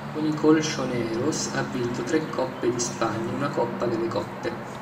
Con i "colchoneros" ha vinto tre coppe di Spagna e una Coppa delle Coppe.